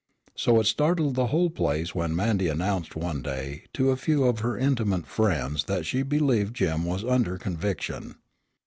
So it startled the whole place when Mandy announced one day to a few of her intimate friends that she believed "Jim was under conviction."